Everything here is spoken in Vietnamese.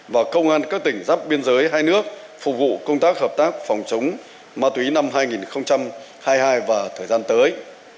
và công an các tỉnh giáp biên giới hai nước phục vụ công tác hợp tác phòng chống ma túy năm hai nghìn hai mươi hai và thời gian tới